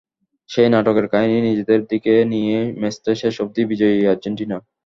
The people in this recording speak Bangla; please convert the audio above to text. সেই নাটকের কাহিনি নিজেদের দিকে নিয়েই ম্যাচটায় শেষ অবধি বিজয়ী আর্জেন্টিনা।